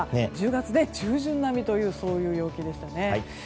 １０月中旬並みという陽気でしたね。